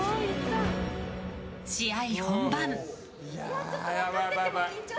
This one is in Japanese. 試合本番。